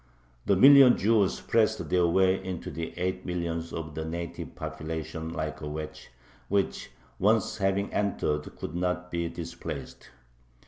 The million Jews pressed their way into the eight millions of the native population like a wedge, which, once having entered, could not be displaced.